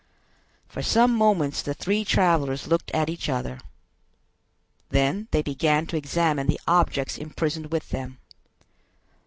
For some moments the three travelers looked at each other. Then they began to examine the objects imprisoned with them.